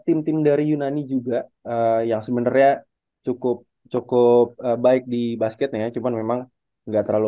tim tim dari yunani juga yang sebenarnya cukup cukup baik di basketnya cuman memang nggak terlalu